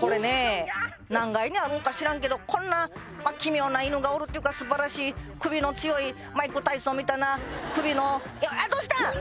これね何階にあるんか知らんけどこんな奇妙な犬がおるっていうか素晴らしい首の強いマイク・タイソンみたいな首のあどうした！？